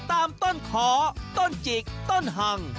ตามต้นขอต้นจิกต้นหัง